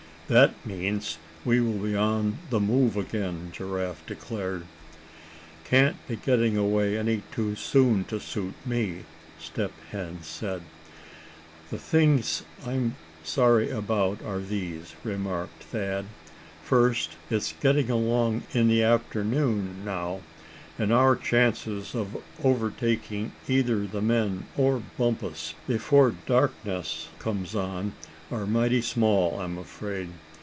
"That means, we will be on the move again," Giraffe declared. "Can't be getting away any too soon to suit me," Step Hen said. "The things I'm sorry about are these," remarked Thad. "First, it's getting along in the afternoon now, and our chances of overtaking either the men or Bumpus before darkness comes on are mighty small, I'm afraid.